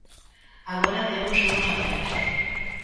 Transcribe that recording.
Agora temos dous abertos.